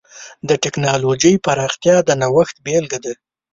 د ټکنالوجۍ پراختیا د نوښت بېلګه ده.